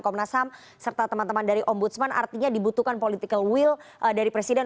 komnas ham serta teman teman dari ombudsman artinya dibutuhkan political will dari presiden